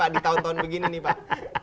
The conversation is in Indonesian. di tahun tahun begini nih pak